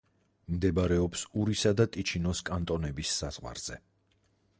მდებარეობს ურისა და ტიჩინოს კანტონების საზღვარზე.